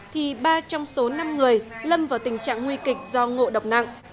thì ba trong số năm người lâm vào tình trạng nguy kịch do ngộ độc nặng